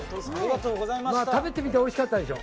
食べてみておいしかったでしょ？